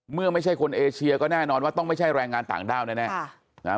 เมื่อไม่ใช่คนเอเชียก็แน่นอนว่าต้องไม่ใช่แรงงานต่างด้าวแน่